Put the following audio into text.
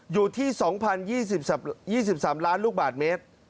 อยู่ที่๒๐๒๓ล้านลูกบาทเมตร